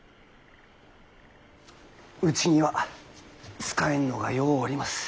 うちには使えんのがようおります。